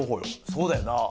そうだよな。